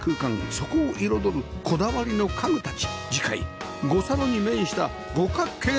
そこを彩るこだわりの家具たち